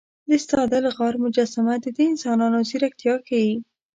د ستادل غار مجسمه د دې انسانانو ځیرکتیا ښيي.